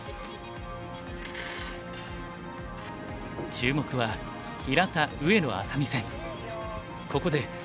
注目は平田・上野愛咲美戦。